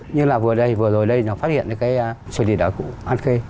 như là vừa đây vừa rồi đây nó phát hiện cái sợi đỉ đá củ ăn khê